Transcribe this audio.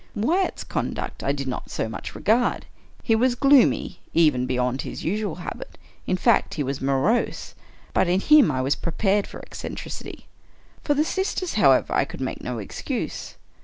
Wyatfs conduct I did not so much regard. He was gloomy, even beyond his usual habit — in fact he was mo rose — but in him I was prepared for eccentricity. For the sisters, however, I could make no excuse.